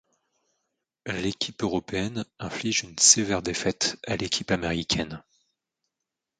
L'équipe européenne inflige une sévère défaite à l'équipe américaine.